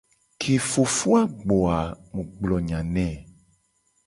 Ke ye fofo a gbo a mu gblo nya ne.